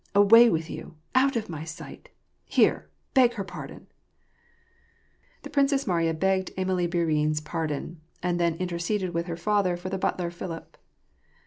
Away with you ! Out of my sight ! Here ! beg her pardon !" The Princess Mariya begged Amalie Bourienne's pardon, and then interceded with her father for the butler Filipp.